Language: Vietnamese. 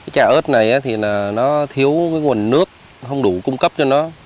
trái ớt này thì nó thiếu nguồn nước không đủ cung cấp cho nó